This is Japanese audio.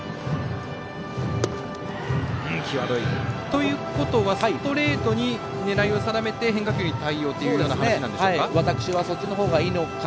ということはストレートに狙いを定めて変化球に対応という話なんでしょうか。